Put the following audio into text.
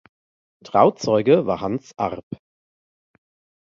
Trauzeuge war Hans Arp.